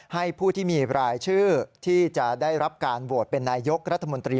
ผู้ที่มีรายชื่อที่จะได้รับการโหวตเป็นนายยกรัฐมนตรี